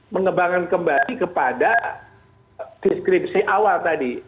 mengembangkan kembali kepada deskripsi awal tadi